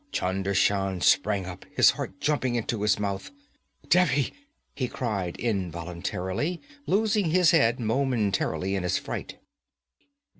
Chunder Shan sprang up, his heart jumping into his mouth. 'Devi!' he cried involuntarily, losing his head momentarily in his fright.